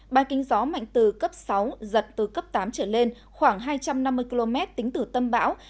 ba kính gió mạnh từ cấp sáu giật từ cấp tám trở lên khoảng hai trăm năm mươi km tính từ tâm bão